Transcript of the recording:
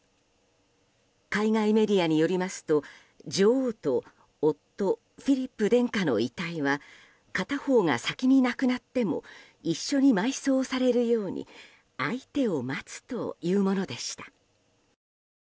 海外メディアによりますと女王と夫フィリップ殿下の遺体は片方が先に亡くなっても一緒に埋葬されるように相手を待つというものでした。